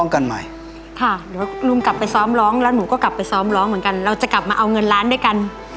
ใครเนี่ยมันน่ะ